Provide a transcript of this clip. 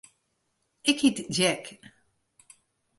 Ik hjit Jack.